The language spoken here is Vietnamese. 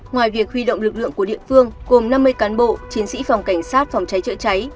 ngoài việc huy động lực lượng của địa phương gồm năm mươi cán bộ chiến sĩ phòng cảnh sát phòng cháy chữa cháy